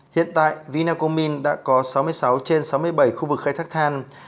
hiện tại vinacomin đã có sáu mươi sáu trên sáu mươi bảy khu vực khai thác than